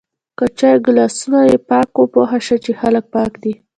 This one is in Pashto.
که چای ګلاسونه یی پاک و پوهه شه چی خلک پاک دی